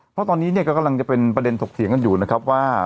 เพราะตอนนี้เนี่ยก็กำลังจะเป็นประเด็นถกเถียงกันอยู่นะครับว่า